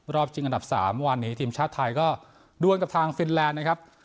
จริงอันดับ๓วันนี้ทีมชาติไทยก็ดวนกับทางฟินแลนด์นะครับ